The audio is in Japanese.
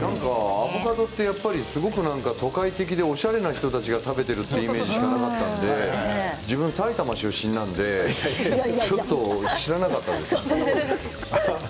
アボカドって都会的でおしゃれな人たちが食べているイメージしかなかったので自分、埼玉出身なのでちょっと知らなかったです。